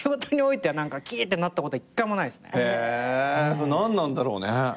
それ何なんだろうね。